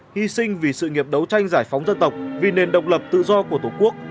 hy sinh vì sự nghiệp đấu tranh giải phóng dân tộc vì nền độc lập tự do của tổ quốc